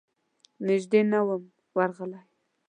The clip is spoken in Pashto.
نږدې نه وم ورغلی.